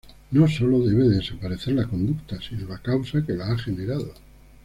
No sólo se debe desaparecer la conducta, sino la causa que la ha generado.